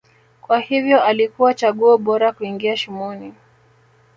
kwa hivyo alikuwa chaguo bora kuingia shimoni